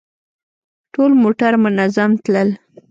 ټول موټر منظم تلل.